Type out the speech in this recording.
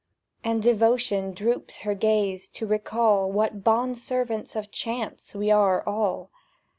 And Devotion droops her glance To recall What bond servants of Chance We are all.